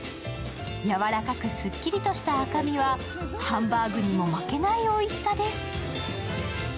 やわらかくすっきりとした赤身はハンバーグにも負けないおいしさです。